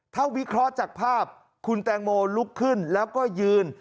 ถ้าวิเคราะห์จากภาพคุณแตงโมลุกขึ้นแล้วก็ยืน